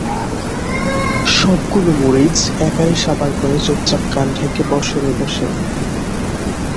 সবগুলো মরিচ একাই সাবাড় করে চুপচাপ কান ঢেকে বসে রইল সে।